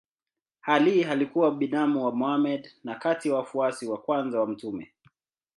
Ali alikuwa binamu wa Mohammed na kati ya wafuasi wa kwanza wa mtume.